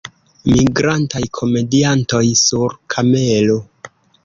Migrantaj komediantoj sur kamelo.